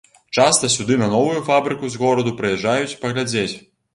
Часта сюды на новую фабрыку з гораду прыязджаюць паглядзець.